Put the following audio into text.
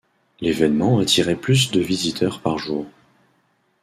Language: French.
L'événement attirait plus de visiteurs par jour.